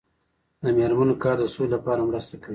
د میرمنو کار د سولې لپاره مرسته کوي.